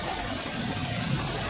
kota yang terkenal dengan